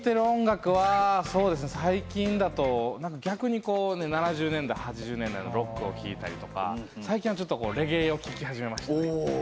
聴いてる音楽は最近だと逆に７０年代、８０年代のロックを聴いたりとか、最近はレゲエを聴き始めました。